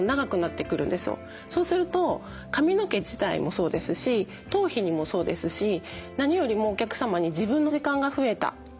そうすると髪の毛自体もそうですし頭皮にもそうですし何よりもお客様に自分の時間が増えたとか。